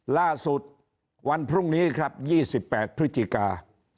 ล่าสุดวันพรุ่งนี้ครับยี่สิบแปดพฤติกา